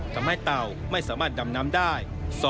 ทำให้เต่าไม่สามารถดำนำได้